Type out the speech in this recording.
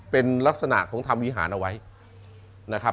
เป็นลักษณะของทำวิหารเอาไว้นะครับ